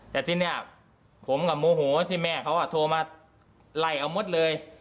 แต่ทีนี้ผมก็โมโหที่แม่เขาโทรมาไล่เอามดเลย